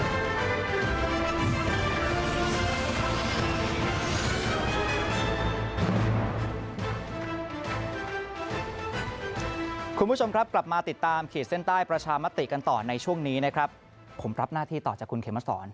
คุณผู้ชมครับกลับมาติดตามขีดเส้นใต้ประชามติกันต่อในช่วงนี้นะครับผมรับหน้าที่ต่อจากคุณเขมสอน